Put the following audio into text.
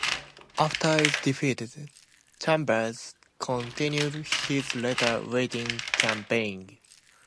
After its defeat, Chambers continued his letter writing campaign.